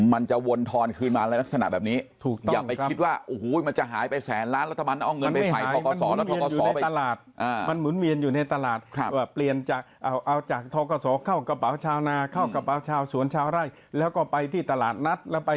มันจะวนทอนคืนมาลักษณะแบบนี้